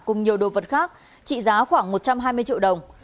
cùng nhiều đồ vật khác trị giá khoảng một trăm hai mươi triệu đồng